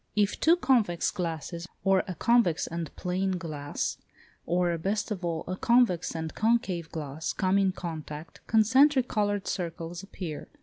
If two convex glasses, or a convex and plane glass, or, best of all, a convex and concave glass come in contact, concentric coloured circles appear.